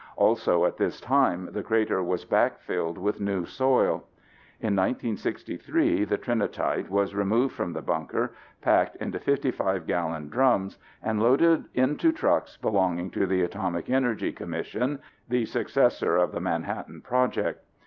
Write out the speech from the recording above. Also at this time the crater was back filled with new soil. In 1963 the Trinitite was removed from the bunker, packed into 55 gallon drums, and loaded into trucks belonging to the Atomic Energy Commission (the successor of the Manhattan Project).